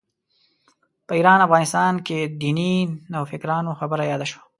په ایران افغانستان کې دیني نوفکرانو خبره یاده شوه.